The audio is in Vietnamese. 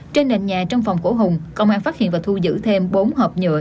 trên nền nhà trong phòng của hùng công an phát hiện và thu giữ thêm bốn hộp nhựa